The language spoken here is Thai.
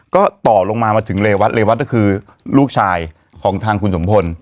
ก็ต่อลงมามาถึงเรวัตเรวัตก็คือลูกชายของทางคุณสมพล